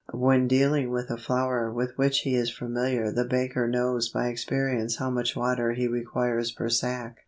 When dealing with a flour with which he is familiar the baker knows by experience how much water he requires per sack.